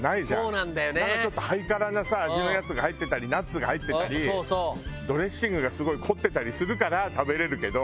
なんかちょっとハイカラな味のやつが入ってたりナッツが入ってたりドレッシングがすごい凝ってたりするから食べれるけど。